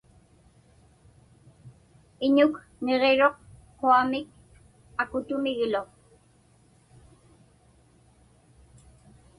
Iñuk niġiruq quamik akutumiglu.